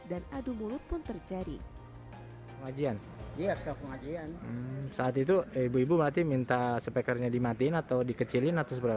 dan adu mulut pun terjadi